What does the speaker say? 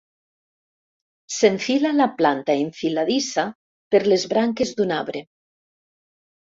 S'enfila la planta enfiladissa per les branques d'un arbre.